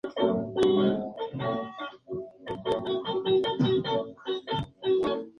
Vivió durante el Cretácico Superior en Marruecos.